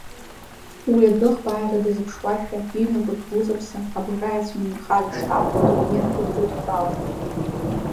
Уи адәыӷба ааира дазыԥшуашәа, иҩнапык игәыҵаԥса, абылра иацәынирхаз аштаб адокументқәа дрыдтәалан.